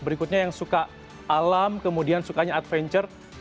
berikutnya yang suka alam kemudian sukanya adventure